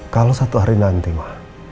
kalau satu hari nanti mah